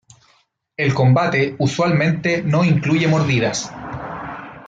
El combate usualmente no incluye mordidas..